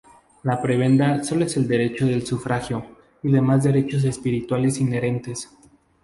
La prebenda solo es el derecho del sufragio y demás derechos espirituales inherentes.